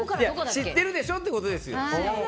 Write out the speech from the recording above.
知ってるでしょってことですよ。